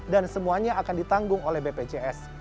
dan semuanya akan ditanggung oleh bpjs